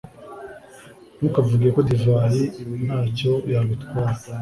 ntukavuge ko divayi nta cyo yagutwara